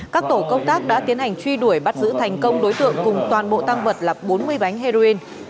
các tổ công tác đã tiến hành truy đuổi bắt giữ thành công đối tượng cùng toàn bộ tăng vật là bốn mươi bánh heroin